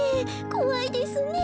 こわいですねえ。